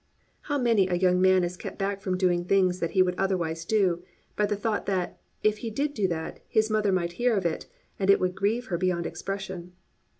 How many a young man is kept back from doing things that he would otherwise do, by the thought that, if he did do that, his mother might hear of it and it would grieve her beyond expression.